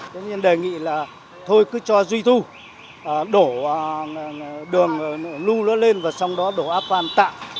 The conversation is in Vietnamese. tuy nhiên đề nghị là thôi cứ cho duy thu đổ đường lưu lứa lên và sau đó đổ áp quan tạm